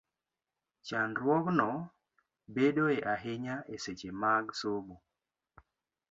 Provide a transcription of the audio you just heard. Chandruogno bedoe ahinya e seche mag somo,